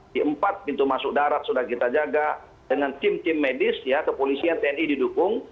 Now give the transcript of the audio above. di empat pintu masuk darat sudah kita jaga dengan tim tim medis ya kepolisian tni didukung